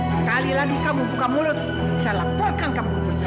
sekali lagi kamu buka mulut saya laporkan kamu ke polisi